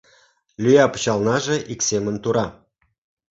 Лӱя пычалнаже ик семын тура.